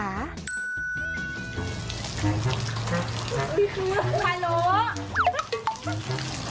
ฮัลโหล